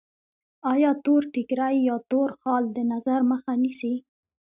آیا تور ټیکری یا تور خال د نظر مخه نه نیسي؟